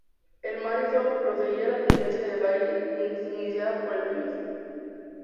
El Madison proseguía la tendencia de baile iniciada por el twist.